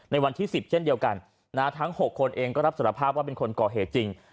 วันที่๑๐เช่นเดียวกันทั้ง๖คนเองก็รับสารภาพว่าเป็นคนก่อเหตุจริง